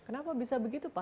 kenapa bisa begitu pak